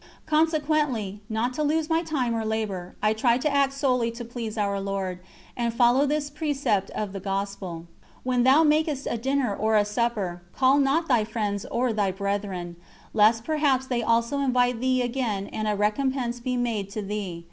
Consequently, not to lose my time or labour, I try to act solely to please Our Lord, and follow this precept of the Gospel: "When thou makest a dinner or a supper, call not thy friends or thy brethren, lest perhaps they also invite thee again and a recompense be made to thee.